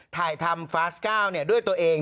ถ่ายธรรมฟาส๙ด้วยตัวเอง